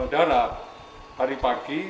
darat hari pagi